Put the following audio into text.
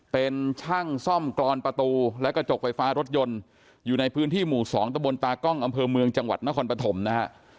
เป็นช่างซ่อมกรอนประตูและกระจกไฟฟ้ารถยนต์อยู่ในพื้นที่หมู่๒ตะบนตากล้องอำเภอเมืองจังหวัดนครปฐมนะฮะ